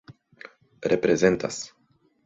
reprezentas